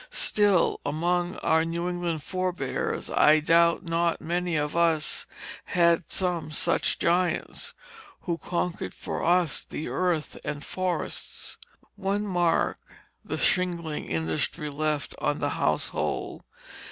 Still, among our New England forbears I doubt not many of us had some such giants, who conquered for us the earth and forests. One mark the shingling industry left on the household.